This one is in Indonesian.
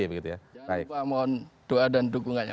jangan lupa mohon doa dan dukungannya